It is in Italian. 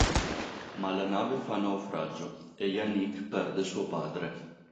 Ma la nave fa naufragio e Yannick perde suo padre.